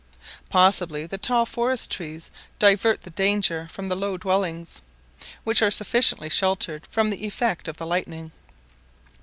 Possibly the tall forest trees divert the danger from the low dwellings, which are sufficiently sheltered from the effect of the lightning.